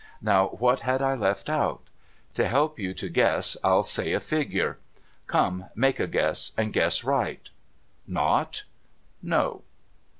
Now, what had I left out? To help you to guess I'll say, a figure. Come. Make a guess and guess right. Nought? No.